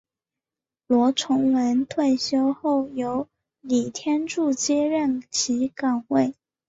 罗崇文退休后由李天柱接任其岗位。